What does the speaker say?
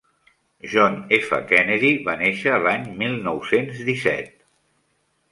John F. Kennedy va néixer l'any mil nou-cents disset.